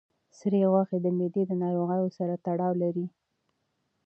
سرې غوښه د معدې د ناروغیو سره تړاو لري.